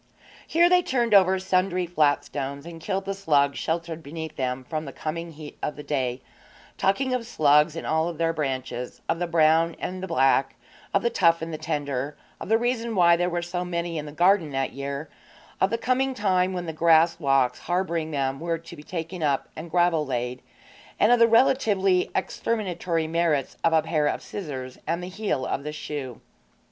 Here they turned over sundry flat stones and killed the slugs sheltered beneath them from the coming heat of the day, talking of slugs in all their branches of the brown and the black, of the tough and the tender, of the reason why there were so many in the garden that year, of the coming time when the grass walks harbouring them were to be taken up and gravel laid, and of the relatively exterminatory merits of a pair of scissors and the heel of the shoe.